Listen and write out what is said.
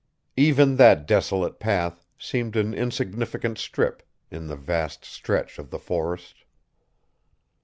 Even that desolate path seemed an insignificant strip in the vast stretch of the forest.